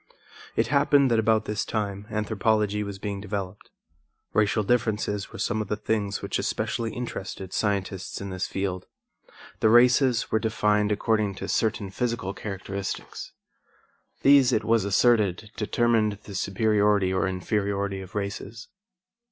It happened that about this time anthropology was being developed. Racial differences were some of the things which especially interested scientists in this field. The races were defined according to certain physical characteristics. These, it was asserted, determined the superiority or inferiority of races.